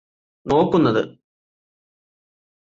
നോക്കുന്നത്